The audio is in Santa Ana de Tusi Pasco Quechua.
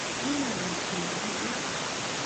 ¿Imawantaq murunki?